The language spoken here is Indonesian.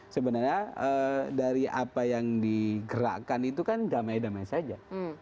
sebenarnya dari apa yang digerakkan itu kan damai damai saja